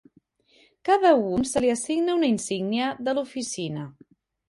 Cada un se li assigna una insígnia de l'oficina.